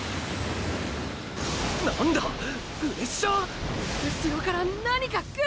何だ⁉プレッシャー⁉うしろから何か来る！